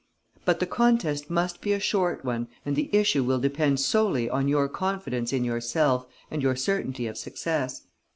But the contest must be a short one and the issue will depend solely on your confidence in yourself and your certainty of success.